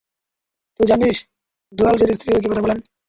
তুই জানিস দয়ালজীর স্ত্রীও একই কথা বলেন।